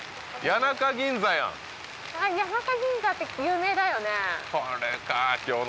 谷中ぎんざって有名だよね